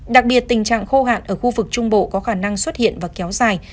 đặc biệt tình trạng khô hạn ở khu vực trung bộ có khả năng xuất hiện và kéo dài